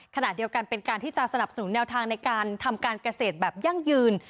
ขณะเดียวกันเป็นการที่จะสนับสนุนแนวทางในการทำการเกษตรแบบยั่งยืน